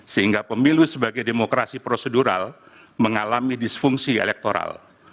sehingga pemilu sebagai demokrasi prosedural mengalami disfungsi elektoral